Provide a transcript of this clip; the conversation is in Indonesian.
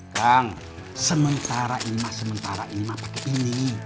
kang sementara ini emas sementara ini emas pakai ini